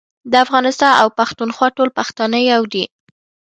د افغانستان او پښتونخوا ټول پښتانه يو دي